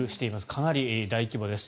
かなり大規模です。